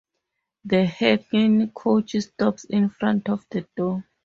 The hackney coach stops in front of the door.